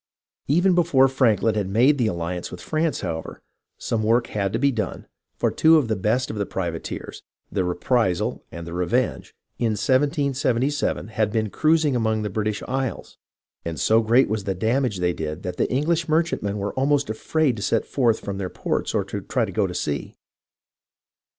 Even before Franklin had made the alliance with France, however, some work had been done, for two of the best of the privateers, the Reprisal and the Revenge, in 1777 had been cruising among the British isles, and so great was the damage they did that the English mer chantmen were almost afraid to set forth from their ports or to try to go to sea.